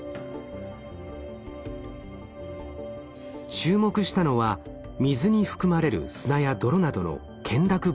注目したのは水に含まれる砂や泥などの懸濁物質。